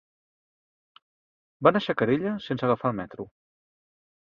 Va anar a Xacarella sense agafar el metro.